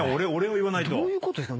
どういうことですか？